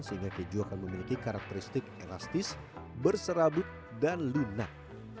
sehingga keju akan memiliki karakteristik elastis berserabut dan lunak